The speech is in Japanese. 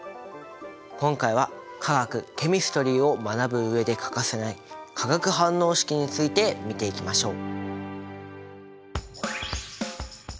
今回は化学ケミストリーを学ぶ上で欠かせない化学反応式について見ていきましょう！